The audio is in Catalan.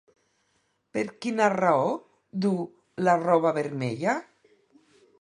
Per quina raó duu la roba vermella?